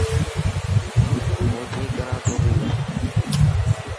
هون جين ڪران تو بي ڪر.